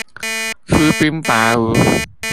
出兵伐吳